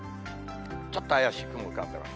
ちょっと怪しい雲が浮かんでます。